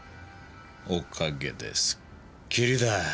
おかげですっきりだぁ。